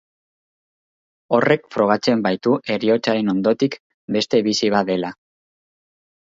Horrek frogatzen baitu heriotzaren ondotik beste bizi bat badela.